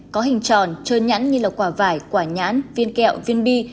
có hình tròn trơn nhẵn như quả vải quả nhãn viên kẹo viên bi